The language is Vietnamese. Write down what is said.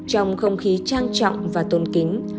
trong không khí trang trọng và tôn kính